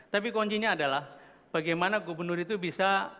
tapi kuncinya adalah bagaimana gubernur itu bisa menjaga kesehatan